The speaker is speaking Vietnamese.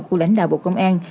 của lãnh đạo bộ công an